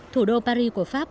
thủ đô paris của pháp